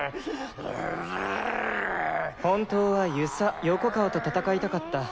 本当は遊佐・横川と戦いたかった。